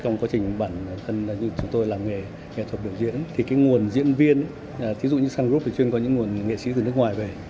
nhiều diễn viên thí dụ như sun group chuyên có những nguồn nghệ sĩ từ nước ngoài về